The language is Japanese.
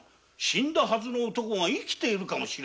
死んだはずの男が「生きているかも」だと！？